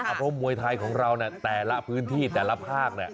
เมื่อมวยไทยของเราเนี่ยแต่ละพื้นที่แต่ละภาคเนี่ย